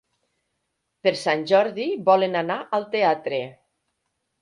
Per Sant Jordi volen anar al teatre.